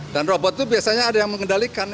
dan robot itu biasanya ada yang mengendalikan